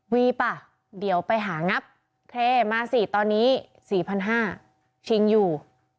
ป่ะเดี๋ยวไปหางับเทมาสิตอนนี้๔๕๐๐ชิงอยู่